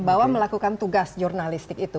bahwa melakukan tugas jurnalistik itu